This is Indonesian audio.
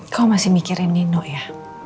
kau masih mikirin nino ya